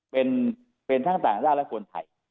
เป็นทั้งต่างด้านและคนไทย